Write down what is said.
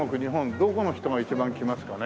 どこの人が一番来ますかね？